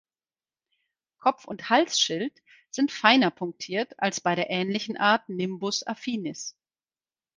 Kopf und Halsschild sind feiner punktiert als bei der ähnlichen Art "Nimbus affinis".